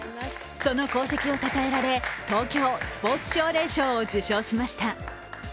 その功績をたたえられ東京スポーツ奨励賞を受賞しました。